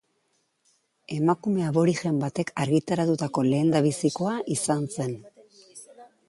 Emakume aborigen batek argitaratutako lehendabizikoa izan zen.